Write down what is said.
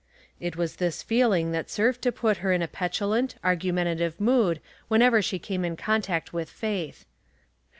It was this feeling that served to put 338 Real or Imitation f 239 her in a petulant, argumentative mood whenever she came in contact with Faith.